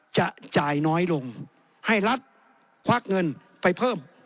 จะจ่ายน้อยลงให้รัฐควักเงินไปเพิ่ม